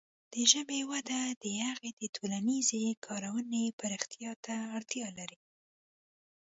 د ژبې وده د هغې د ټولنیزې کارونې پراختیا ته اړتیا لري.